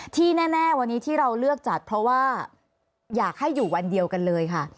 ที่แน่วันนี้ที่เราเลือกจัดเพราะว่าอยากให้อยู่วันเดียวกันเลยค่ะ